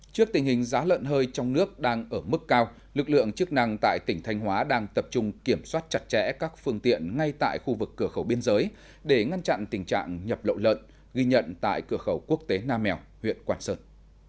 trước tình hình giá lợn hơi trong nước đang ở mức cao lực lượng chức năng tại tỉnh thanh hóa đang tập trung kiểm soát chặt chẽ các phương tiện ngay tại khu vực cửa khẩu biên giới để ngăn chặn tình trạng nhập lậu lợn ghi nhận tại cửa khẩu quốc tế nam mèo huyện quảng sơn